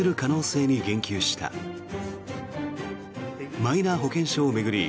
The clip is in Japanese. マイナ保険証を巡り